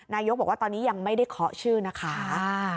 นายกบอกว่าตอนนี้ยังไม่ได้เคาะชื่อนะคะ